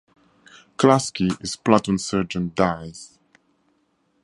Klasky, his platoon sergeant, dies.